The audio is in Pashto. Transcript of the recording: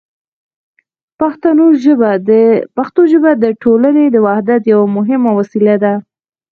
پښتو ژبه د ټولنې د وحدت یوه مهمه وسیله ده.